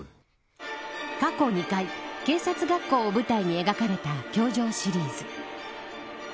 過去２回警察学校を舞台に描かれた教場シリーズ。